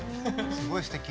すごいすてき。